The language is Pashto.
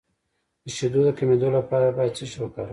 د شیدو د کمیدو لپاره باید څه شی وکاروم؟